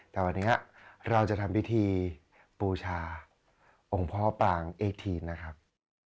แต่วันนี้เราจะทำพิธีบูชาองค์พ่อปางเอทีนนะครับ